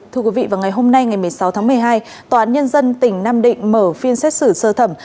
thưa quý vị vào ngày hôm nay ngày một mươi sáu tháng một mươi hai tòa án nhân dân tỉnh nam định mở phiên xét xử sơ thẩm